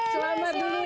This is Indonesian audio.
selamat dulu ya ini